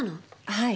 はい。